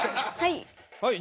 はい。